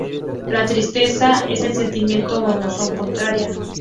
La tristeza es el sentimiento o emoción contraria.